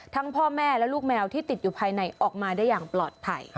พ่อแม่และลูกแมวที่ติดอยู่ภายในออกมาได้อย่างปลอดภัย